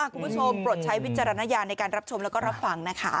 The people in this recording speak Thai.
ปลดใช้วิจารณญาณในการรับชมแล้วก็รับฟังนะคะ